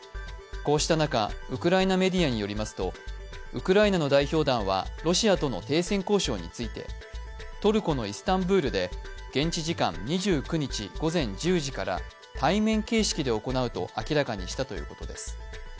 こうした中、ウクライナメディアによりますと、ウクライナの代表団はロシアとの停戦交渉についてトルコのイスタンブールで２９日、現地時間の午前１０時から対面形式で行うと明らかにしたということです。